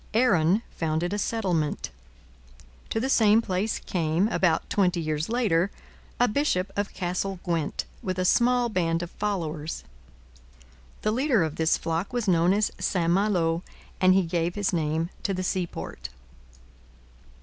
Aaron founded a settlement. To the same place came, about twenty years later, a bishop of Castle Gwent, with a small band of followers. The leader of this flock was known as St Malo, and he gave his name to the seaport.